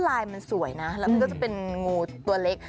ลายมันสวยนะแล้วมันก็จะเป็นงูตัวเล็ก